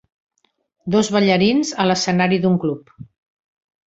Dos ballarins a l'escenari d'un club.